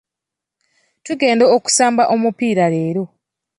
Tugenda okusamba omupiira leero.